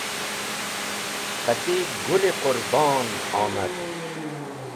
Qati Gũl-e Qũrbon omad